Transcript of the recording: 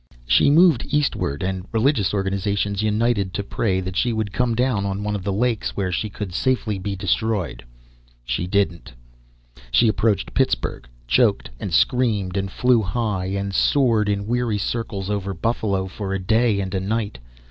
She moved eastward, and religious organizations united to pray that she would come down on one of the lakes where she could safely be destroyed. She didn't. She approached Pittsburgh, choked and screamed and flew high, and soared in weary circles over Buffalo for a day and a night.